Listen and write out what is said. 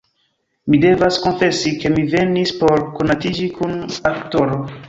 Mi devas konfesi, ke mi venis por konatiĝi kun aktoro.